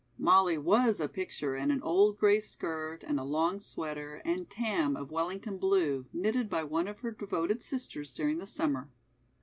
Molly was a picture in an old gray skirt and a long sweater and tam of "Wellington blue," knitted by one of her devoted sisters during the summer.